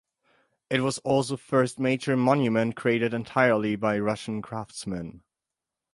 It was also first major monument created entirely by Russian craftsmen.